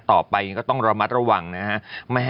ต่อไปก็ต้องระมัดระวังนะฮะ